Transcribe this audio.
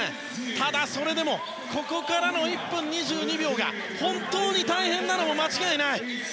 ただ、それでもここからの１分２０秒が本当に大変なのも間違いない。